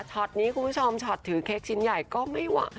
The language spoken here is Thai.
นี้คุณผู้ชมช็อตถือเค้กชิ้นใหญ่ก็ไม่ไหว